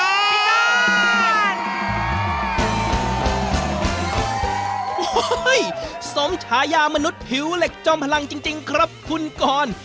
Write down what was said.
โอ้โหสมฉายามนุษย์ผิวเหล็กจอมพลังจริงครับคุณกร